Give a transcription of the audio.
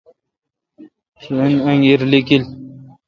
رن انگیر لیکیل ۔